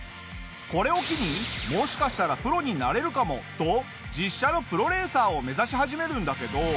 これを機に「もしかしたらプロになれるかも」と実車のプロレーサーを目指し始めるんだけど。